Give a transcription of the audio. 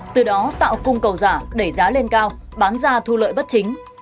từ đó tạo cung cầu giả đẩy giá lên cao bán ra thu lợi bất chính